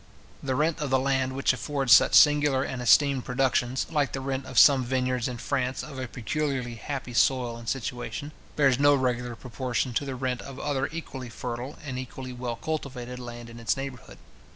The rent of the land which affords such singular and esteemed productions, like the rent of some vineyards in France of a peculiarly happy soil and situation, bears no regular proportion to the rent of other equally fertile and equally well cultivated land in its neighbourhood.